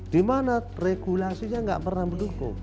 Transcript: di mana regulasinya nggak pernah mendukung